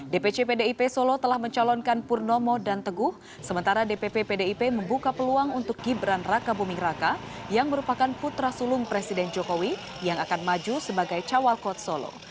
dpc pdip solo telah mencalonkan purnomo dan teguh sementara dpp pdip membuka peluang untuk gibran raka buming raka yang merupakan putra sulung presiden jokowi yang akan maju sebagai cawal kot solo